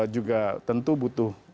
juga tentu butuh